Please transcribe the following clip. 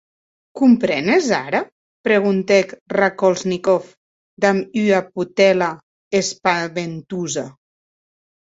Comprenes ara?, preguntèc Raskolnikov damb ua potèla espaventosa.